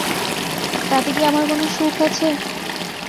তাতে কি আমার কোনো সুখ আছে?